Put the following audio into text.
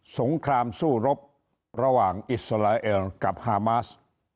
งครามสู้รบระหว่างอิสราเอลกับฮามาส